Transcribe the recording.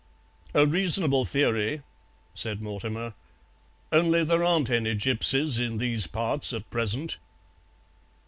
"A reasonable theory," said Mortimer, "only there aren't any gipsies in these parts at present."